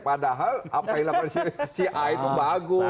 padahal apailah si a itu bagus